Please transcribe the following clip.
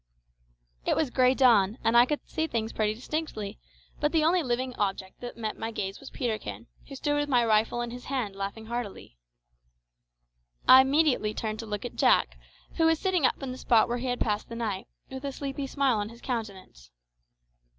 It was grey dawn, and I could see things pretty distinctly; but the only living object that met my gaze was Peterkin, who stood with my rifle in his hand laughing heartily! I immediately turned to look at Jack, who was sitting up in the spot where he had passed the night, with a sleepy smile on his countenance.